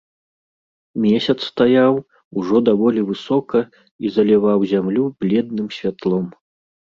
Месяц стаяў ужо даволі высока і заліваў зямлю бледным святлом.